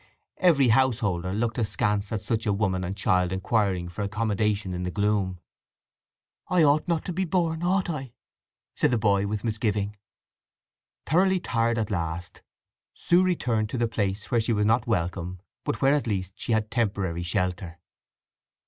Every householder looked askance at such a woman and child inquiring for accommodation in the gloom. "I ought not to be born, ought I?" said the boy with misgiving. Thoroughly tired at last Sue returned to the place where she was not welcome, but where at least she had temporary shelter.